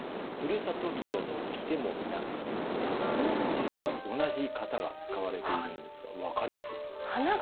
実は同じ型が使われているんですが分かります？